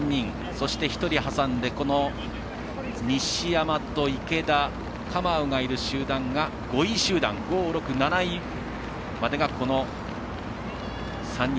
そして、１人挟んで、西山と池田カマウがいる集団が５位集団５、６、７位までが、この３人。